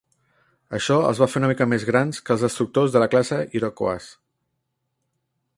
Això els va fer una mica més grans que els destructors de classe "Iroquois".